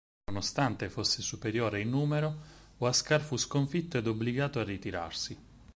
Nonostante fosse superiore in numero, Huáscar fu sconfitto ed obbligato a ritirarsi.